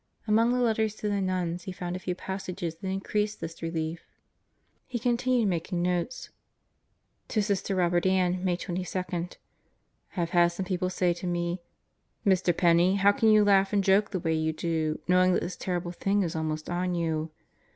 Among the letters to the nuns, he found a few passages that increased this relief. He continued making notes: To Sister Robert Ann, May 22: I have had some people say to me: "Mr. Penney, how can you laugh and joke the way you do, knowing that this terrible thing is almost on you?"